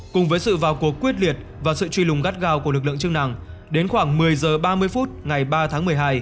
cùng với sự vào cuộc quyết liệt và sự truy lùng gắt gao của lực lượng chức năng đến khoảng một mươi h ba mươi phút ngày ba tháng một mươi hai